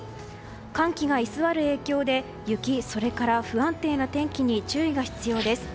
寒気が居座る影響で雪、それから不安定な天気に注意が必要です。